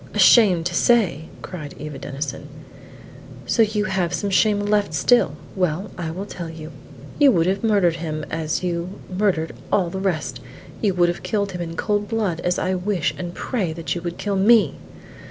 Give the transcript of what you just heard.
"Ashamed to say!" cried Eva Denison. "So you have some shame left still! Well, I will tell you. You would have murdered him, as you murdered all the rest; you would have killed him in cold blood, as I wish and pray that you would kill me!"